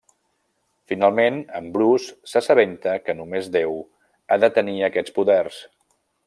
Finalment, en Bruce s'assabenta que només Déu ha de tenir aquests poders.